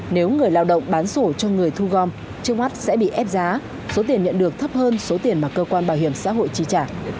nếu người lao động bán sổ cho người thu gom trước mắt sẽ bị ép giá số tiền nhận được thấp hơn số tiền mà cơ quan bảo hiểm xã hội chi trả